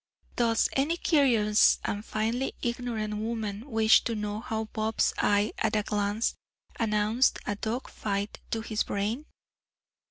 Does any curious and finely ignorant woman wish to know how Bob's eye at a glance announced a dog fight to his brain?